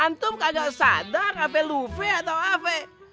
antum kagak sadar apa lufe atau apa